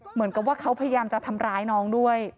เหมือนกับว่าเขาพยายามจะทำร้ายน้องด้วย